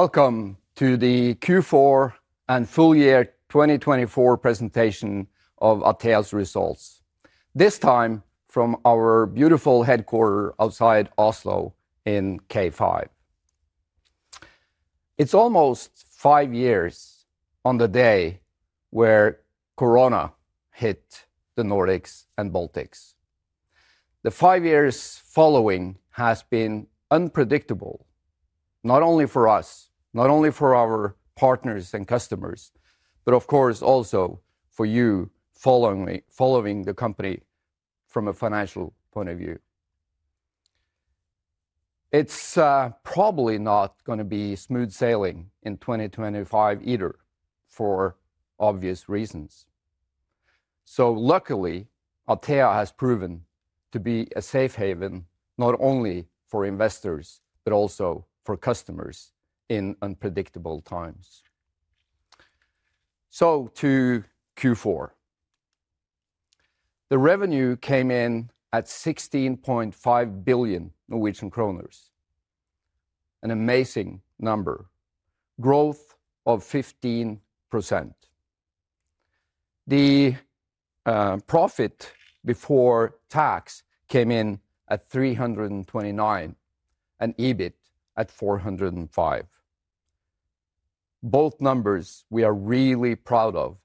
Welcome to the Q4 and full year 2024 presentation of Atea's results, this time from our beautiful headquarters outside Oslo in K5. It's almost five years on the day where Corona hit the Nordics and Baltics. The five years following has been unpredictable, not only for us, not only for our partners and customers, but of course also for you following the company from a financial point of view. It's probably not going to be smooth sailing in 2025 either, for obvious reasons. So luckily, Atea has proven to be a safe haven not only for investors, but also for customers in unpredictable times. So to Q4, the revenue came in at 16.5 billion NOK, an amazing number, growth of 15%. The profit before tax came in at 329 million NOK and EBIT at 405 million NOK. Both numbers we are really proud of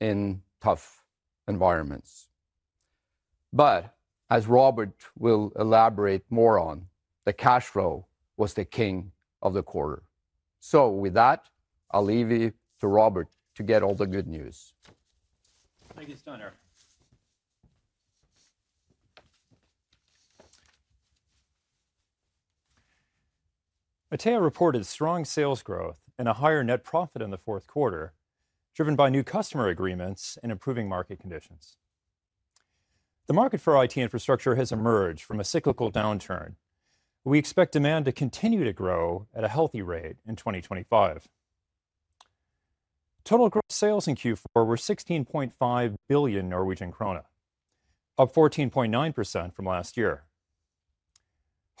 in tough environments. But as Robert will elaborate more on, the cash flow was the king of the quarter. So with that, I'll leave you to Robert to get all the good news. Thank you, Steinar. Atea reported strong sales growth and a higher net profit in the fourth quarter, driven by new customer agreements and improving market conditions. The market for IT infrastructure has emerged from a cyclical downturn. We expect demand to continue to grow at a healthy rate in 2025. Total gross sales in Q4 were 16.5 billion Norwegian krone, up 14.9% from last year.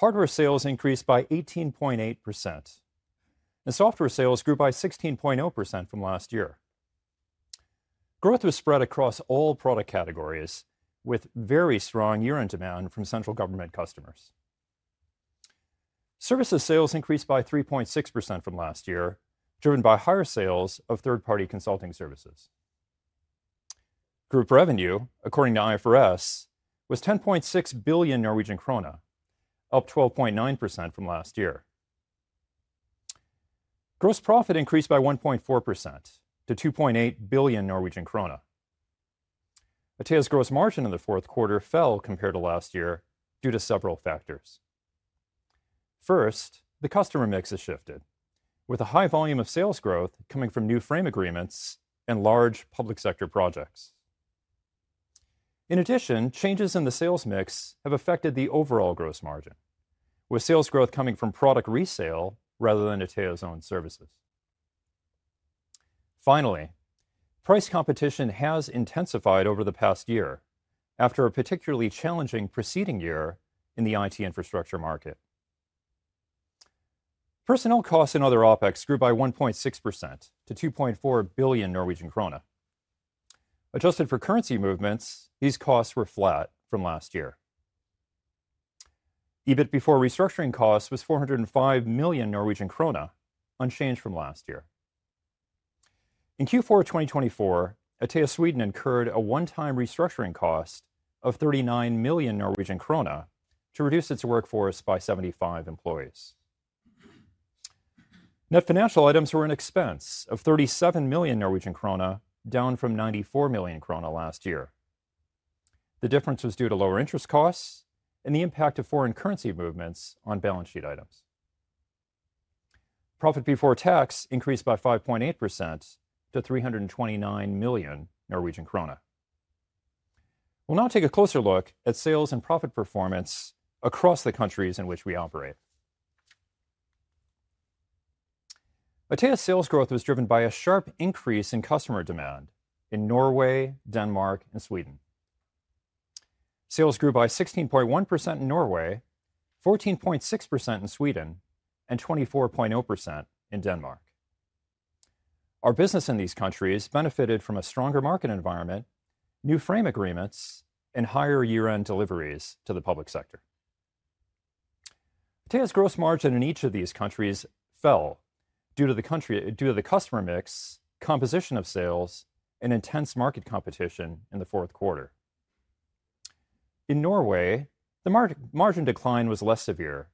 Hardware sales increased by 18.8%, and software sales grew by 16.0% from last year. Growth was spread across all product categories, with very strong year-end demand from central government customers. Services sales increased by 3.6% from last year, driven by higher sales of third-party consulting services. Group revenue, according to IFRS, was 10.6 billion Norwegian krone, up 12.9% from last year. Gross profit increased by 1.4% to 2.8 billion Norwegian krone. Atea's gross margin in the fourth quarter fell compared to last year due to several factors. First, the customer mix has shifted, with a high volume of sales growth coming from new frame agreements and large public sector projects. In addition, changes in the sales mix have affected the overall gross margin, with sales growth coming from product resale rather than Atea's own services. Finally, price competition has intensified over the past year after a particularly challenging preceding year in the IT infrastructure market. Personnel costs and other OpEx grew by 1.6% to 2.4 billion Norwegian krone. Adjusted for currency movements, these costs were flat from last year. EBIT before restructuring costs was 405 million Norwegian krone, unchanged from last year. In Q4 2024, Atea Sweden incurred a one-time restructuring cost of 39 million Norwegian krone to reduce its workforce by 75 employees. Net financial items were an expense of 37 million Norwegian krone, down from 94 million krone last year. The difference was due to lower interest costs and the impact of foreign currency movements on balance sheet items. Profit before tax increased by 5.8% to 329 million Norwegian krone. We'll now take a closer look at sales and profit performance across the countries in which we operate. Atea's sales growth was driven by a sharp increase in customer demand in Norway, Denmark, and Sweden. Sales grew by 16.1% in Norway, 14.6% in Sweden, and 24.0% in Denmark. Our business in these countries benefited from a stronger market environment, new frame agreements, and higher year-end deliveries to the public sector. Atea's gross margin in each of these countries fell due to the customer mix, composition of sales, and intense market competition in the fourth quarter. In Norway, the margin decline was less severe,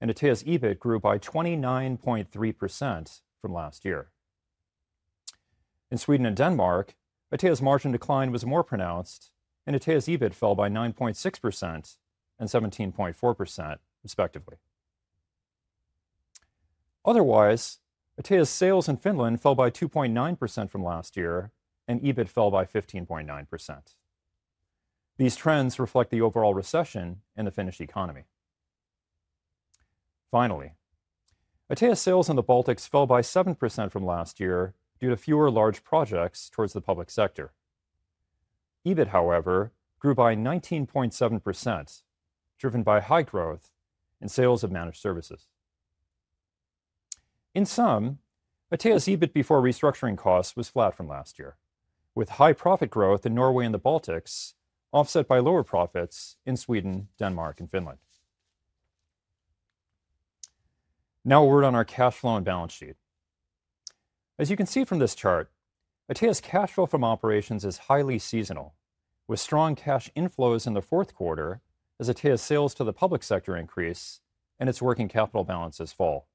and Atea's EBIT grew by 29.3% from last year. In Sweden and Denmark, Atea's margin decline was more pronounced, and Atea's EBIT fell by 9.6% and 17.4%, respectively. Otherwise, Atea's sales in Finland fell by 2.9% from last year, and EBIT fell by 15.9%. These trends reflect the overall recession in the Finnish economy. Finally, Atea's sales in the Baltics fell by 7% from last year due to fewer large projects towards the public sector. EBIT, however, grew by 19.7%, driven by high growth in sales of managed services. In sum, Atea's EBIT before restructuring costs was flat from last year, with high profit growth in Norway and the Baltics offset by lower profits in Sweden, Denmark, and Finland. Now a word on our cash flow and balance sheet. As you can see from this chart, Atea's cash flow from operations is highly seasonal, with strong cash inflows in the fourth quarter as Atea's sales to the public sector increase and its working capital balances fall.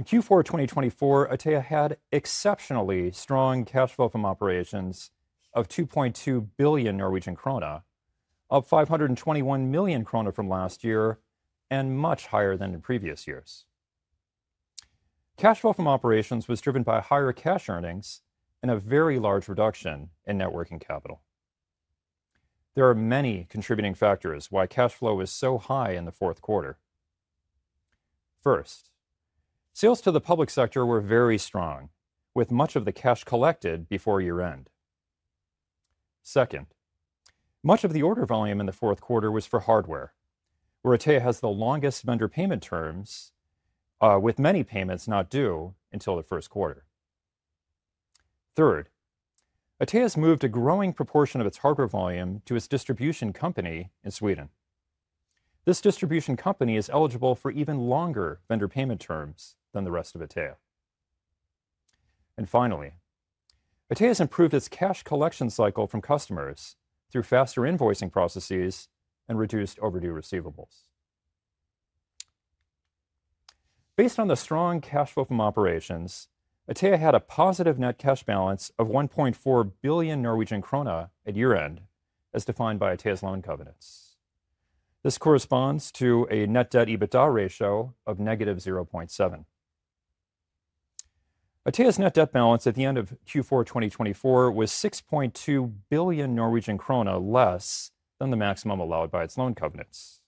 In Q4 2024, Atea had exceptionally strong cash flow from operations of 2.2 billion Norwegian krone, up 521 million krone from last year, and much higher than in previous years. Cash flow from operations was driven by higher cash earnings and a very large reduction in net working capital. There are many contributing factors why cash flow was so high in the fourth quarter. First, sales to the public sector were very strong, with much of the cash collected before year-end. Second, much of the order volume in the fourth quarter was for hardware, where Atea has the longest vendor payment terms, with many payments not due until the first quarter. Third, Atea has moved a growing proportion of its hardware volume to its distribution company in Sweden. This distribution company is eligible for even longer vendor payment terms than the rest of Atea. And finally, Atea has improved its cash collection cycle from customers through faster invoicing processes and reduced overdue receivables. Based on the strong cash flow from operations, Atea had a positive net cash balance of 1.4 billion Norwegian krone at year-end, as defined by Atea's loan covenants. This corresponds to a net debt/EBITDA ratio of negative 0.7. Atea's net debt balance at the end of Q4 2024 was 6.2 billion Norwegian krone less than the maximum allowed by its loan covenants.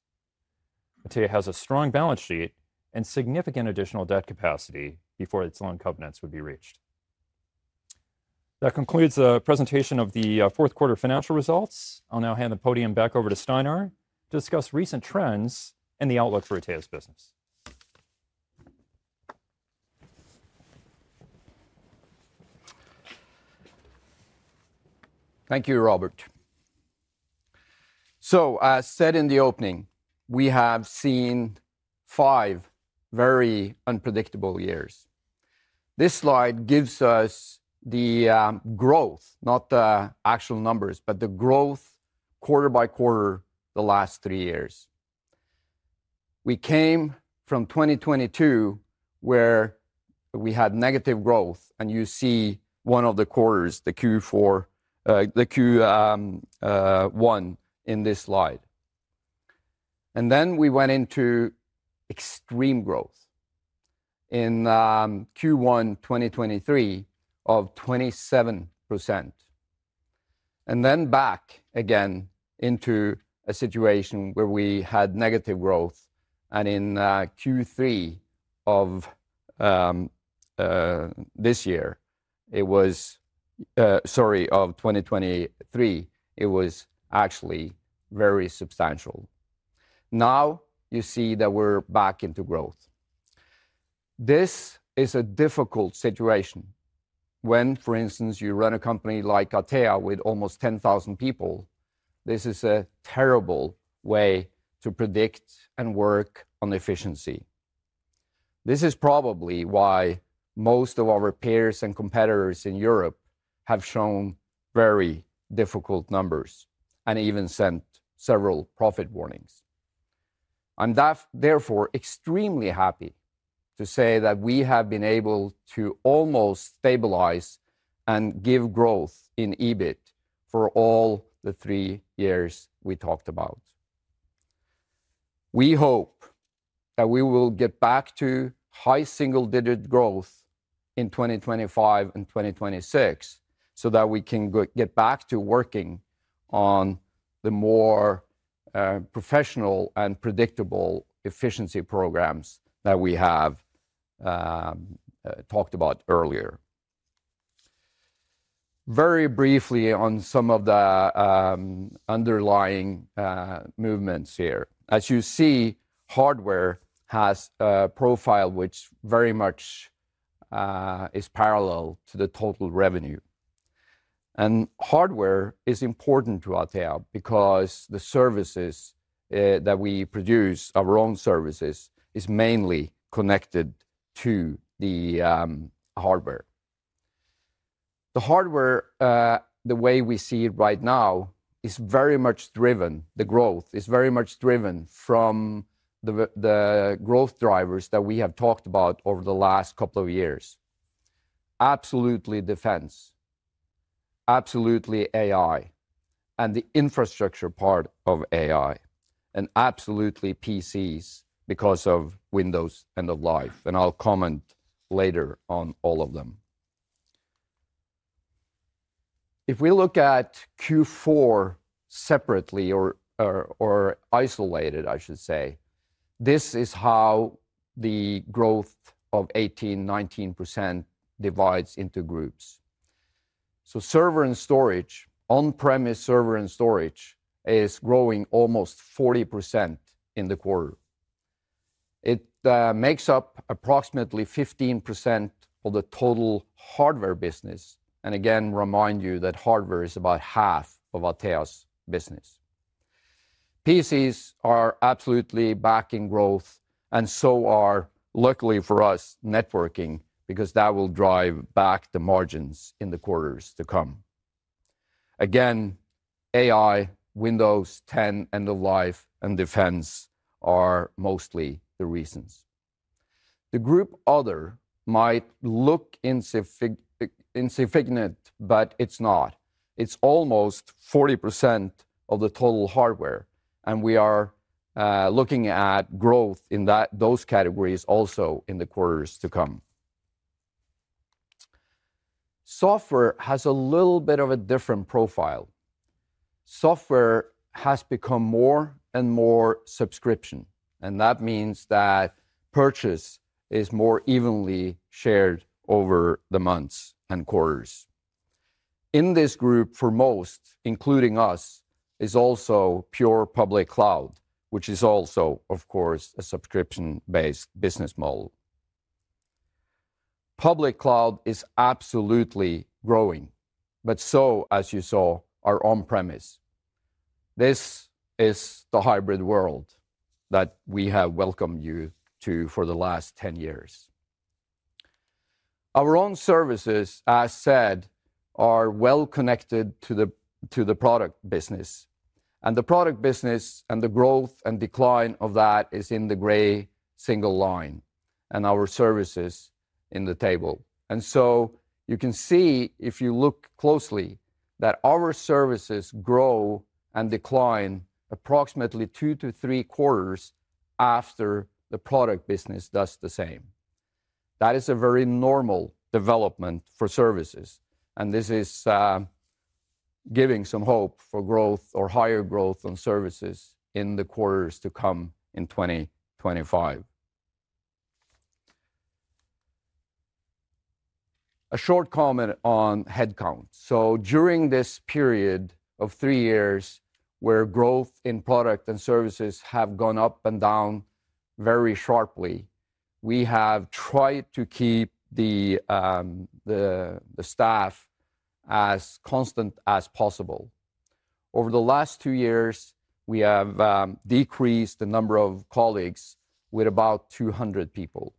Atea has a strong balance sheet and significant additional debt capacity before its loan covenants would be reached. That concludes the presentation of the fourth quarter financial results. I'll now hand the podium back over to Steinar to discuss recent trends and the outlook for Atea's business. Thank you, Robert. So, as said in the opening, we have seen five very unpredictable years. This slide gives us the growth, not the actual numbers, but the growth quarter by quarter the last three years. We came from 2022, where we had negative growth, and you see one of the quarters, the Q1, in this slide. And then we went into extreme growth in Q1 2023 of 27%, and then back again into a situation where we had negative growth. And in Q3 of this year, it was, sorry, of 2023, it was actually very substantial. Now you see that we're back into growth. This is a difficult situation. When, for instance, you run a company like Atea with almost 10,000 people, this is a terrible way to predict and work on efficiency. This is probably why most of our peers and competitors in Europe have shown very difficult numbers and even sent several profit warnings. I'm therefore extremely happy to say that we have been able to almost stabilize and give growth in EBIT for all the three years we talked about. We hope that we will get back to high single-digit growth in 2025 and 2026 so that we can get back to working on the more professional and predictable efficiency programs that we have talked about earlier. Very briefly on some of the underlying movements here. As you see, hardware has a profile which very much is parallel to the total revenue, and hardware is important to Atea because the services that we produce, our own services, are mainly connected to the hardware. The hardware, the way we see it right now, is very much driven, the growth is very much driven from the growth drivers that we have talked about over the last couple of years. Absolutely defense, absolutely AI, and the infrastructure part of AI, and absolutely PCs because of Windows End of Life, and I'll comment later on all of them. If we look at Q4 separately or isolated, I should say, this is how the growth of 18-19% divides into groups, so server and storage, on-premise server and storage, is growing almost 40% in the quarter. It makes up approximately 15% of the total hardware business, and again, remind you that hardware is about half of Atea's business. PCs are absolutely back in growth, and so are, luckily for us, networking, because that will drive back the margins in the quarters to come. Again, AI, Windows 10 End of Life, and defense are mostly the reasons. The group other might look insignificant, but it's not. It's almost 40% of the total hardware, and we are looking at growth in those categories also in the quarters to come. Software has a little bit of a different profile. Software has become more and more subscription, and that means that purchase is more evenly shared over the months and quarters. In this group, for most, including us, is also pure public cloud, which is also, of course, a subscription-based business model. Public cloud is absolutely growing, but so, as you saw, our on-premise. This is the hybrid world that we have welcomed you to for the last 10 years. Our own services, as said, are well connected to the product business, and the product business and the growth and decline of that is in the gray single line and our services in the table, and so you can see, if you look closely, that our services grow and decline approximately two to three quarters after the product business does the same. That is a very normal development for services, and this is giving some hope for growth or higher growth on services in the quarters to come in 2025. A short comment on headcount, so during this period of three years, where growth in product and services has gone up and down very sharply, we have tried to keep the staff as constant as possible. Over the last two years, we have decreased the number of colleagues with about 200 people.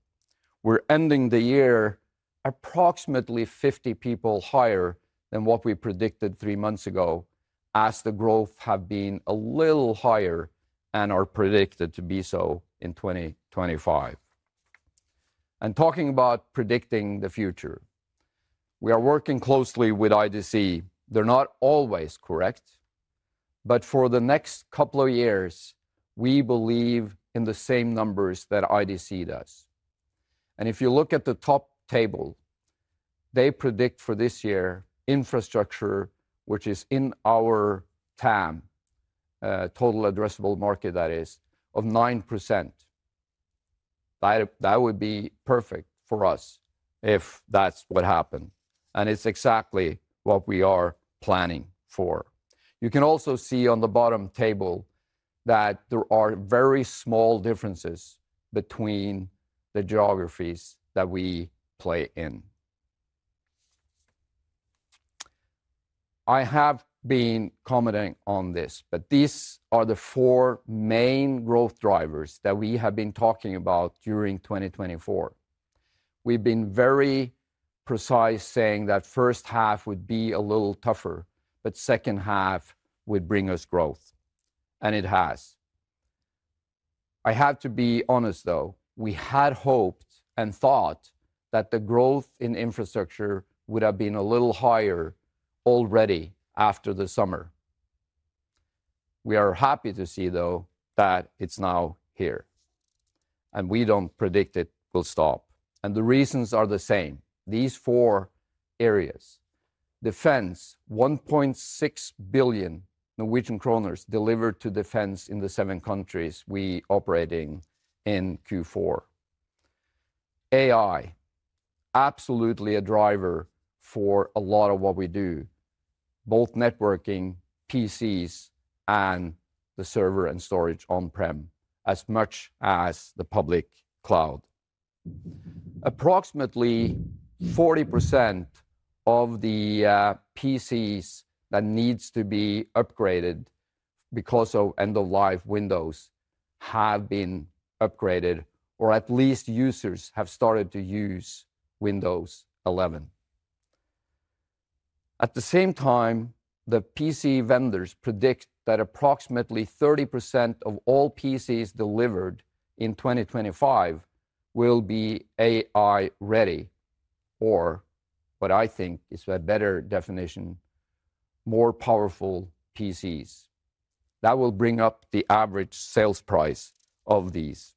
We're ending the year approximately 50 people higher than what we predicted three months ago, as the growth has been a little higher and is predicted to be so in 2025, and talking about predicting the future, we are working closely with IDC. They're not always correct, but for the next couple of years, we believe in the same numbers that IDC does, and if you look at the top table, they predict for this year infrastructure, which is in our TAM, total addressable market, that is, of 9%. That would be perfect for us if that's what happened, and it's exactly what we are planning for. You can also see on the bottom table that there are very small differences between the geographies that we play in. I have been commenting on this, but these are the four main growth drivers that we have been talking about during 2024. We've been very precise saying that first half would be a little tougher, but second half would bring us growth, and it has. I have to be honest, though, we had hoped and thought that the growth in infrastructure would have been a little higher already after the summer. We are happy to see, though, that it's now here, and we don't predict it will stop. And the reasons are the same. These four areas: defense, 1.6 billion Norwegian kroner delivered to defense in the seven countries we operate in in Q4. AI, absolutely a driver for a lot of what we do, both networking, PCs, and the server and storage on-prem, as much as the public cloud. Approximately 40% of the PCs that need to be upgraded because of End of Life Windows have been upgraded, or at least users have started to use Windows 11. At the same time, the PC vendors predict that approximately 30% of all PCs delivered in 2025 will be AI-ready, or what I think is a better definition, more powerful PCs. That will bring up the average sales price of these.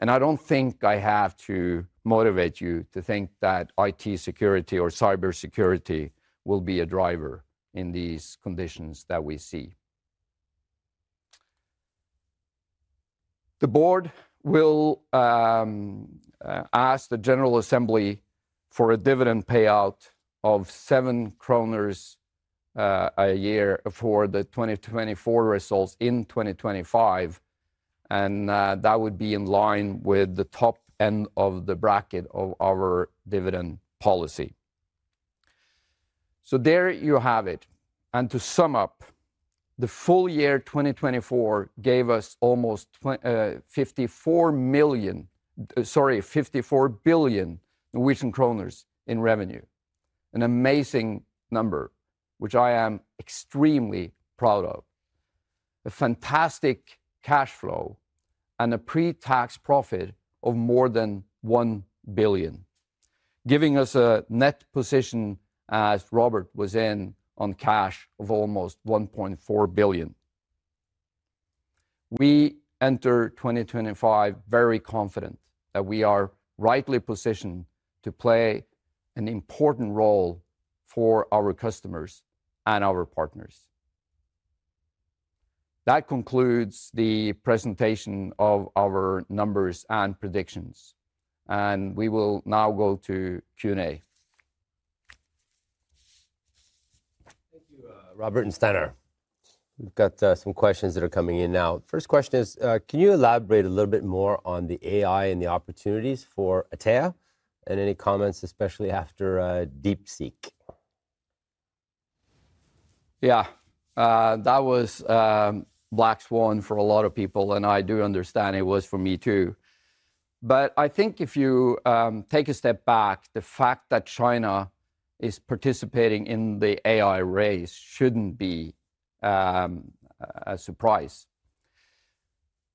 And I don't think I have to motivate you to think that IT security or cybersecurity will be a driver in these conditions that we see. The board will ask the General Assembly for a dividend payout of 7 kroner a year for the 2024 results in 2025, and that would be in line with the top end of the bracket of our dividend policy. So there you have it. And to sum up, the full year 2024 gave us almost 54 million, sorry, 54 billion in revenue, an amazing number, which I am extremely proud of. A fantastic cash flow and a pre-tax profit of more than 1 billion, giving us a net position, as Robert was in, on cash of almost 1.4 billion. We enter 2025 very confident that we are rightly positioned to play an important role for our customers and our partners. That concludes the presentation of our numbers and predictions, and we will now go to Q&A. Thank you, Robert and Steinar. We've got some questions that are coming in now. The first question is, can you elaborate a little bit more on the AI and the opportunities for Atea and any comments, especially after DeepSeek? Yeah, that was black swan for a lot of people, and I do understand it was for me too. But I think if you take a step back, the fact that China is participating in the AI race shouldn't be a surprise.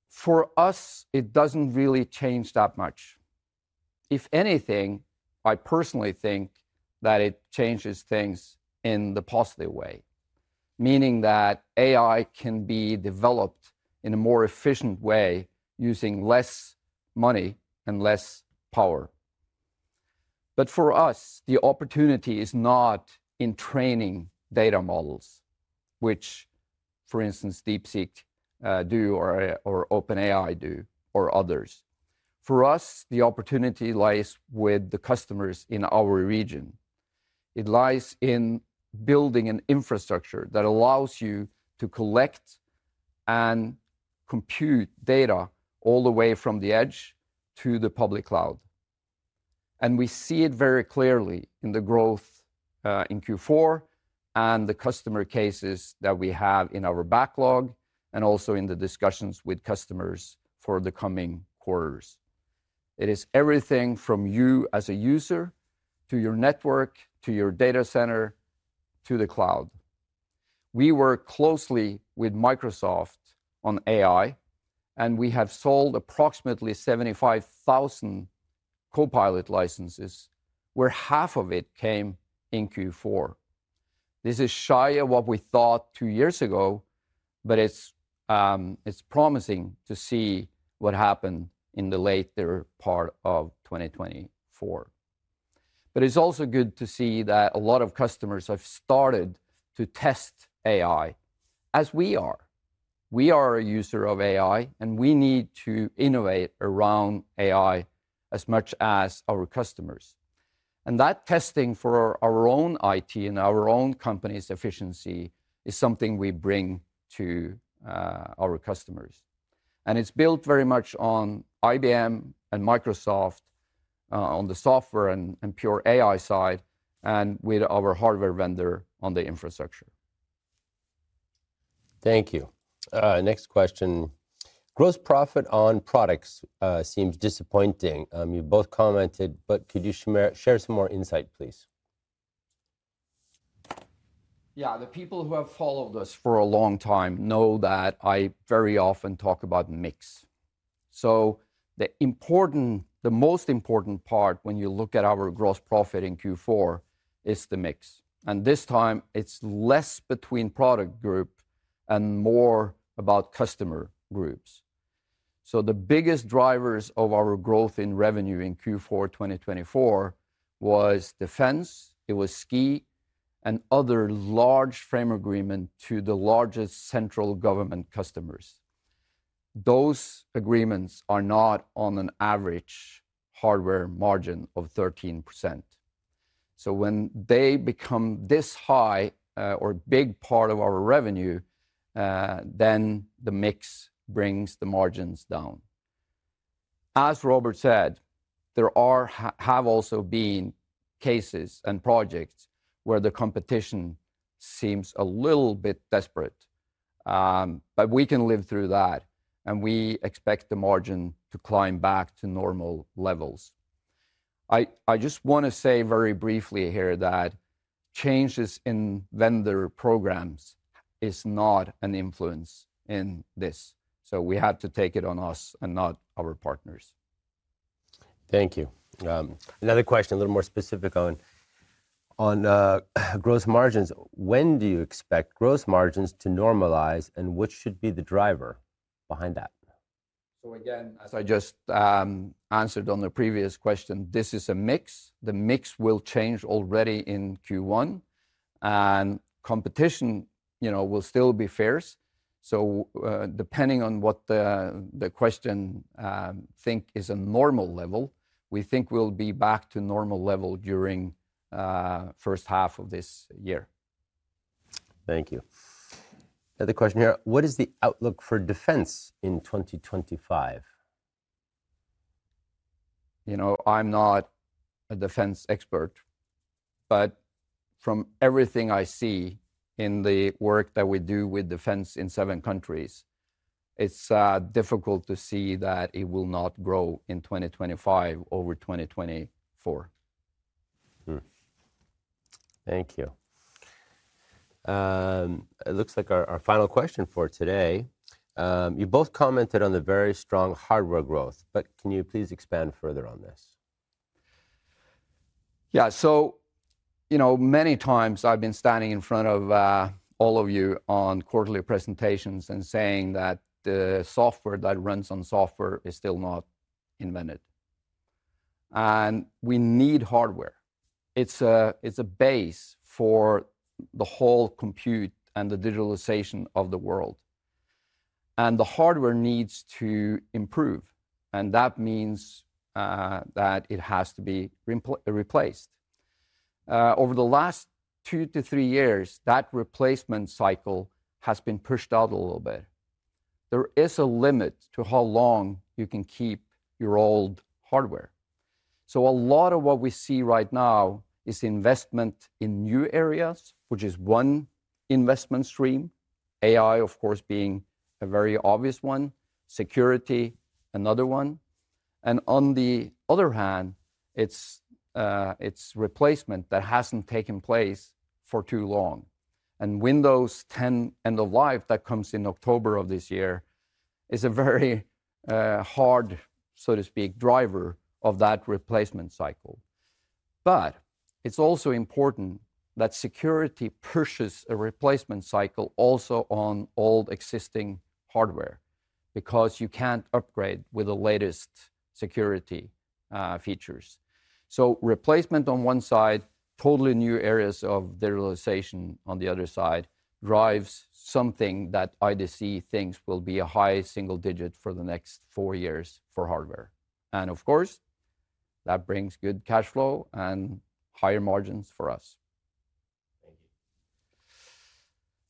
For us, it doesn't really change that much. If anything, I personally think that it changes things in the positive way, meaning that AI can be developed in a more efficient way using less money and less power. But for us, the opportunity is not in training data models, which, for instance, DeepSeek do or OpenAI do or others. For us, the opportunity lies with the customers in our region. It lies in building an infrastructure that allows you to collect and compute data all the way from the edge to the public cloud. And we see it very clearly in the growth in Q4 and the customer cases that we have in our backlog and also in the discussions with customers for the coming quarters. It is everything from you as a user to your network, to your data center, to the cloud. We work closely with Microsoft on AI, and we have sold approximately 75,000 Copilot licenses, where half of it came in Q4. This is shy of what we thought two years ago, but it's promising to see what happened in the later part of 2024. But it's also good to see that a lot of customers have started to test AI, as we are. We are a user of AI, and we need to innovate around AI as much as our customers. That testing for our own IT and our own company's efficiency is something we bring to our customers. It's built very much on IBM and Microsoft on the software and pure AI side and with our hardware vendor on the infrastructure. Thank you. Next question. Gross profit on products seems disappointing. You both commented, but could you share some more insight, please? Yeah, the people who have followed us for a long time know that I very often talk about mix. So the important, the most important part when you look at our gross profit in Q4 is the mix. And this time, it's less between product groups and more about customer groups. So the biggest drivers of our growth in revenue in Q4 2024 was defense. It was SKI and other large frame agreements to the largest central government customers. Those agreements are not on an average hardware margin of 13%. So when they become this high or a big part of our revenue, then the mix brings the margins down. As Robert said, there have also been cases and projects where the competition seems a little bit desperate, but we can live through that, and we expect the margin to climb back to normal levels. I just want to say very briefly here that changes in vendor programs are not an influence in this, so we have to take it on us and not our partners. Thank you. Another question, a little more specific on gross margins. When do you expect gross margins to normalize, and what should be the driver behind that? So again, as I just answered on the previous question, this is a mix. The mix will change already in Q1, and competition will still be fierce. So depending on what the question thinks is a normal level, we think we'll be back to normal level during the first half of this year. Thank you. Another question here. What is the outlook for defense in 2025? You know, I'm not a defense expert, but from everything I see in the work that we do with defense in seven countries, it's difficult to see that it will not grow in 2025 over 2024. Thank you. It looks like our final question for today. You both commented on the very strong hardware growth, but can you please expand further on this? Yeah, so you know, many times I've been standing in front of all of you on quarterly presentations and saying that the software that runs on software is still not invented. And we need hardware. It's a base for the whole compute and the digitalization of the world. And the hardware needs to improve, and that means that it has to be replaced. Over the last two to three years, that replacement cycle has been pushed out a little bit. There is a limit to how long you can keep your old hardware. So a lot of what we see right now is investment in new areas, which is one investment stream, AI, of course, being a very obvious one, security, another one. And on the other hand, it's replacement that hasn't taken place for too long. Windows 10 End of Life that comes in October of this year is a very hard, so to speak, driver of that replacement cycle. It's also important that security pushes a replacement cycle also on old existing hardware because you can't upgrade with the latest security features. Replacement on one side, totally new areas of digitalization on the other side drives something that IDC thinks will be a high single digit for the next four years for hardware. Of course, that brings good cash flow and higher margins for us.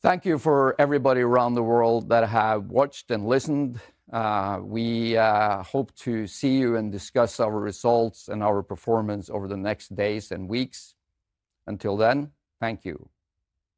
Thank you. Thank you for everybody around the world that have watched and listened. We hope to see you and discuss our results and our performance over the next days and weeks. Until then, thank you.